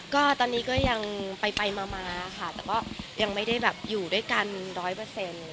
ก็ตอนนี้ก็ยังไปมาค่ะแต่ก็ยังไม่ได้แบบอยู่ด้วยกันร้อยเปอร์เซ็นต์